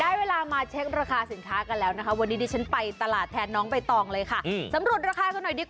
ได้เวลามาเช็คราคาสินค้ากันแล้วนะคะวันนี้ดิฉันไปตลาดแทนน้องใบตองเลยค่ะสำรวจราคากันหน่อยดีก